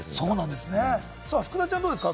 福田ちゃん、どうですか？